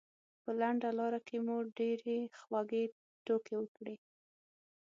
په لنډه لاره کې مو ډېرې خوږې ټوکې وکړې.